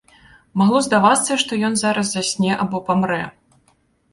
Магло здавацца, што ён зараз засне або памрэ.